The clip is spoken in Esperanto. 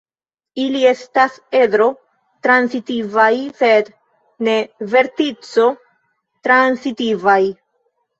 Ili estas edro-transitivaj sed ne vertico-transitivaj.